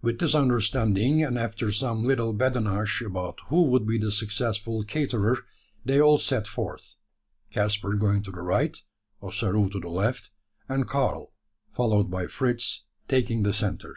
With this understanding, and after some little badinage about who would be the successful caterer, they all set forth, Caspar going to the right, Ossaroo to the left, and Karl, followed by Fritz, taking the centre.